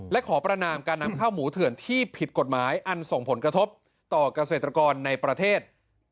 และขอประนามการนำข้าวหมูเถื่อนที่ผิดกฎหมายอันส่งผลกระทบต่อเกษตรกรในประเทศ